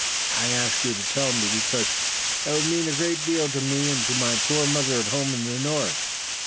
I ask you to tell me, because it would mean a great deal to me, and to my poor mother at home in the North."